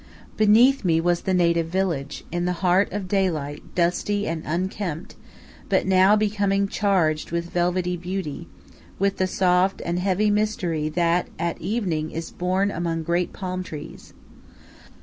Beneath me was the native village, in the heart of daylight dusty and unkempt, but now becoming charged with velvety beauty, with the soft and heavy mystery that at evening is born among great palm trees.